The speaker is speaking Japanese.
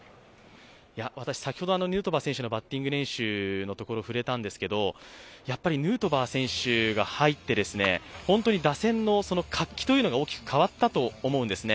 私、先ほど、ヌートバー選手のバッティング練習のところを触れたんですけど、やっぱりヌートバー選手が入って本当に打線の活気というのが大きく変わったと思うんですね。